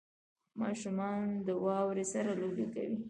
• ماشومان د واورې سره لوبې کوي.